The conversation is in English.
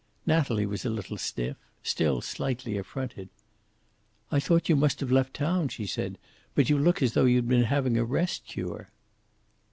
Natalie was a little stiff, still slightly affronted. "I thought you must have left town," she said. "But you look as though you'd been having a rest cure."